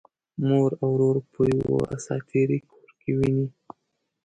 مور او ورور په یوه اساطیري کور کې ويني.